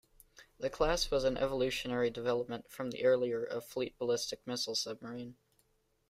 The class was an evolutionary development from the earlier of fleet ballistic missile submarine.